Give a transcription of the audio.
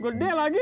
gue dek lagi